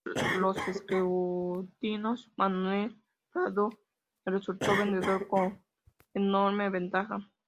Hechos los escrutinios, Manuel Prado resultó vencedor, con enorme ventaja.